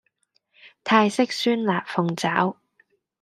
泰式酸辣鳳爪